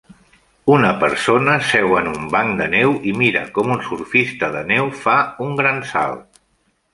Una persona seu en un banc de neu i mira com un surfista de neu fa un gran salt.